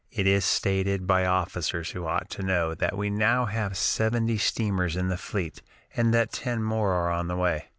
It is stated by officers who ought to know that we now have seventy steamers in the fleet, and that ten more are on the way....